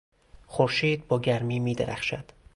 خورشید با گرمی میدرخشد.